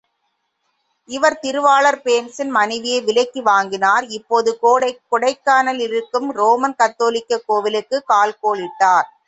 இவர் திருவாளர் பேன்ஸின் மனையை விலைக்கு வாங்கினார் இப்போது கோடைக்கானலிலிருக்கும் ரோமன் கத்தோலிக்கக் கோவிலுக்குக் கால்கோளிட்டார்.